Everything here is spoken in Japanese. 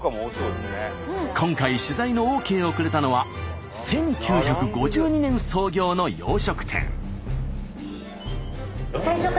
今回取材のＯＫをくれたのは１９５２年創業の洋食店。